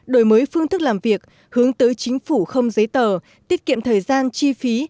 đổi mới phương thức làm việc hướng tới chính phủ không giấy tờ tiết kiệm thời gian chi phí